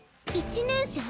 １年生？